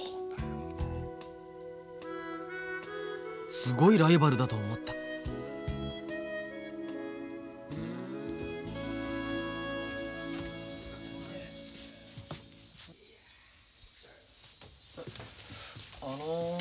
すごいライバルだと思ったあの。